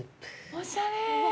おしゃれ！